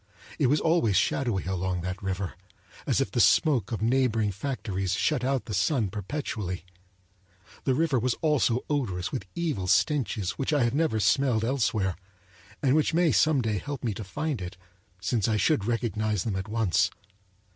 It was always shadowy along that river, as if the smoke of neighboring factories shut out the sun perpetually. The river was also odorous with evil stenches which I have never smelled elsewhere, and which may some day help me to find it, since I should recognize them at once.